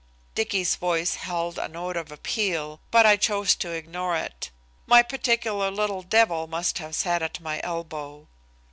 Dicky's voice held a note of appeal, but I chose to ignore it. My particular little devil must have sat at my elbow.